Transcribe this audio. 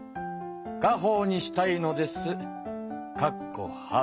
家ほうにしたいのです。